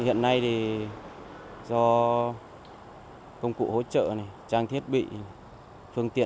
hiện nay thì do công cụ hỗ trợ trang thiết bị